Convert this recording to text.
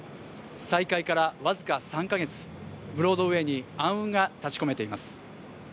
再開から僅か３カ月、ブロードウェイに暗雲が立ちこめています。